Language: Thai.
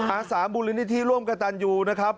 อาสามูลนิธิร่วมกับตันยูนะครับ